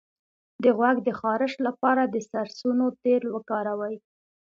د غوږ د خارش لپاره د سرسونو تېل وکاروئ